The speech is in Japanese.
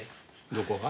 どこが？